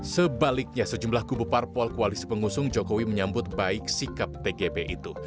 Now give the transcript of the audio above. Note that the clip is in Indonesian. sebaliknya sejumlah kubu parpol koalisi pengusung jokowi menyambut baik sikap tgb itu